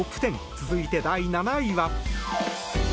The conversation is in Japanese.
続いて、第７位は。